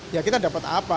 ya kita dapat apa